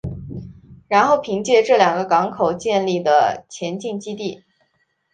然后凭借这两个港口建立前进基地。